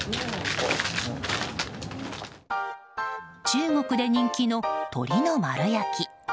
中国で人気の鶏の丸焼き。